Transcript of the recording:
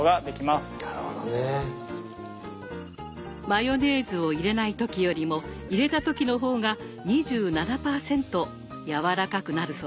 マヨネーズを入れない時よりも入れた時の方が２７％やわらかくなるそうですよ。